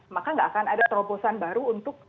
maka nggak akan ada terobosan baru untuk